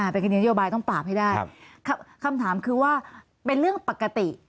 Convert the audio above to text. เป็นคดีนโยบายต้องปราบให้ได้คำถามคือว่าเป็นเรื่องปกติ